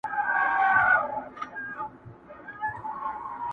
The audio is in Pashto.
مطرب رباب د سُر او تال خوږې نغمې لټوم,